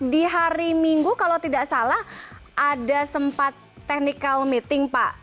di hari minggu kalau tidak salah ada sempat technical meeting pak